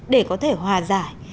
để có thể hòa giải